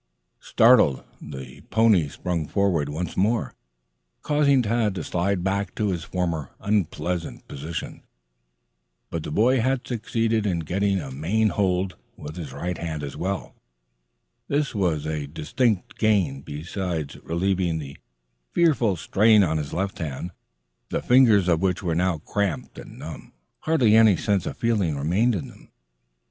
Startled, the pony sprang forward once more, causing Tad to slide back to his former unpleasant position. But the boy had succeeded in getting a mane hold with his right hand as well. This was a distinct gain, besides relieving the fearful strain on his left hand, the fingers of which were now cramped and numb. Hardly any sense of feeling remained in them.